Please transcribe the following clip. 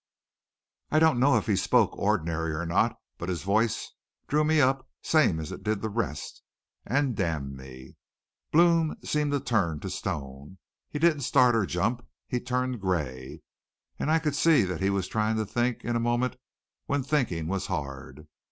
"I don't know if he spoke ordinary or not, but his voice drew me up same as it did the rest, an' damn me! Blome seemed to turn to stone. He didn't start or jump. He turned gray. An' I could see that he was tryin' to think in a moment when thinkin' was hard.